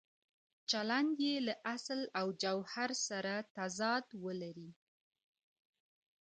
چلند یې له اصل او جوهر سره تضاد ولري.